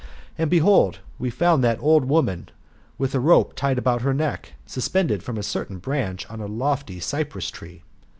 And, behold, we found that old woman, with a rope tied about her neck, sus pended from a certain branch of a lofty cypress tree.